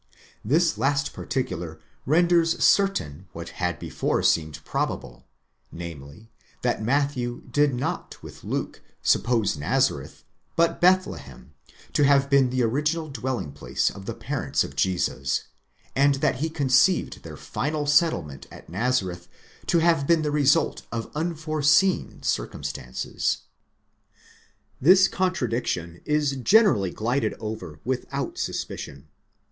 This last particular renders certain what had before seemed probable, namely, that Matthew did not with Luke suppose Nazareth, but Bethlehem, to have been the original dwelling place of the parents of Jesus, and that he conceived their final settlement at Nazareth to have been the result of unforeseen circumstances. This contradiction is generally glided over without suspicion.